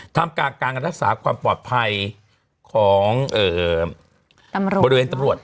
ทำกลางการรักษาความปลอดภัยของตำรวจบริเวณตำรวจ